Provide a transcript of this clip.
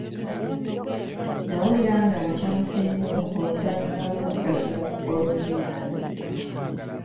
Nawulira nga nkyamuse nnyo oluvannyuma lw'okusasula ku ppoloti yange.